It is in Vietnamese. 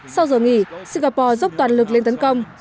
sau giờ nghỉ singapore dốc toàn lực lên tấn công